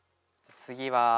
次は。